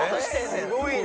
すごいな。